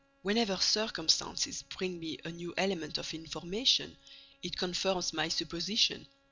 "Whenever circumstances bring me a new element of information, it confirms my supposition.